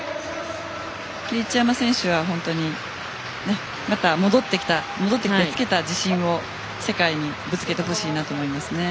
一山選手はまた戻ってきてつけた自信を世界にぶつけてほしいなと思いますね。